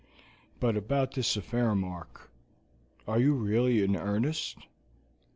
But about this affair, Mark. Are you really in earnest?"